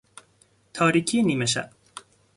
تاریکی نیمه شب